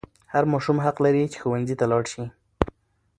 هر ماشوم حق لري چې ښوونځي ته ولاړ شي.